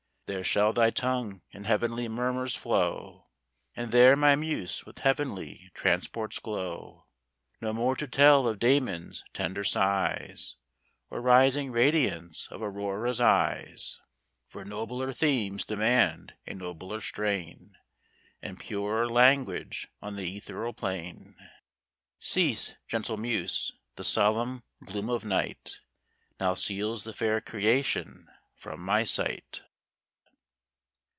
There shall thy tongue in heav'nly murmurs flow, And there my muse with heav'nly transport glow: No more to tell of Damon's tender sighs, Or rising radiance of Aurora's eyes, For nobler themes demand a nobler strain, And purer language on th' ethereal plain. Cease, gentle muse! the solemn gloom of night Now seals the fair creation from my sight.